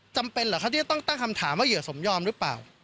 จำเป็นเหรอคะที่จะต้องตั้งคำถามว่าเหยื่อสมยอมหรือเปล่า